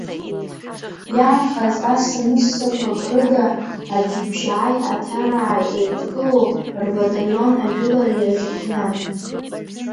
Иаанхаз ассамыссақәак рыда, аӡҩыбжьааи аҭарааи еидкылоу рбаталион ажәылара иазыхиан.